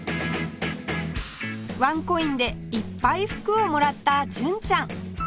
ワンコインでいっぱい福をもらった純ちゃん